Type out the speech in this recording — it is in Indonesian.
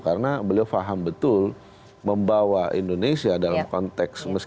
karena beliau faham betul membawa indonesia dalam konteks